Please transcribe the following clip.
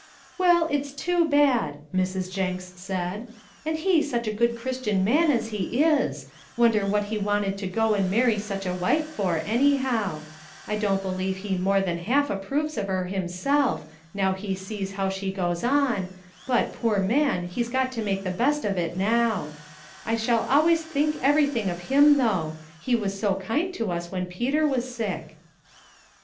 "Well, it's too bad," Mrs. Jenks said, "and he such a good Christian man as he is wonder what he wanted to go and marry such a wife for, anyhow; I don't believe he more than half approves of her himself, now he sees how she goes on, but, poor man, he's got to make the best of it now; I shall always think everything of him though, he was so kind to us when Peter was sick."